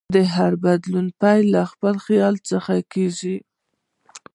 د هر بدلون پیل له خیال څخه کېږي.